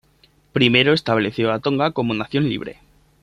Primero estableció a Tonga como una nación libre.